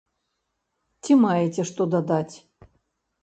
Ці маеце што дадаць?